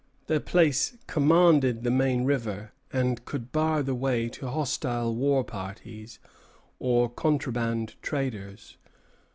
The place commanded the main river, and could bar the way to hostile war parties or contraband traders.